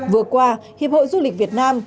vừa qua hiệp hội du lịch việt nam